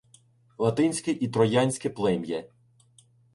Латинське і троянське плем'я